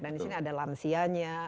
dan di sini ada lansianya